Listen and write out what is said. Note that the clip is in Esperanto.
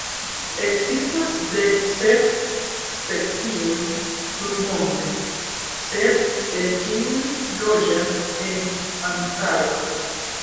Ekzistas dek sep specioj tutmonde, sep el kiuj loĝas en Antarkto.